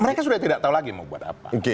mereka sudah tidak tahu lagi mau buat apa